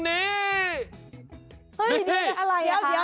เฮ้ยเป็นอะไรนะฮะ